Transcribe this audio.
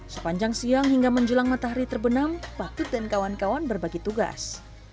sepanjang siang hingga menjelang matahari terbenam patut dan kawan kawan berbagi tugas